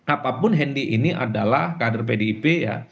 apapun hendy ini adalah kader pdip ya